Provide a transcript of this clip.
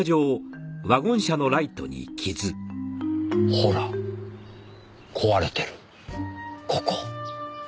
ほら壊れてるここ。